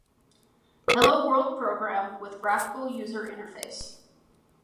Hello world program with graphical user interface.